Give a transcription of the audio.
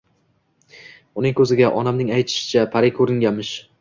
Uning ko`ziga, onamning aytishicha, pari ko`ringanmish